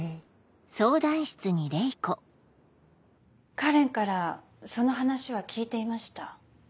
花恋からその話は聞いていました。